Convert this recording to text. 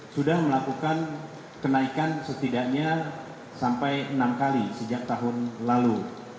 sudah melakukan kenaikan setidaknya sampai enam kali sejak tahun lalu